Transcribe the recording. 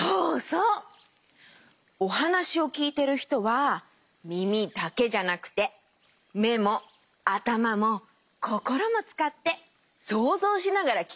おはなしをきいてるひとはみみだけじゃなくてめもあたまもこころもつかってそうぞうしながらきいてるよ。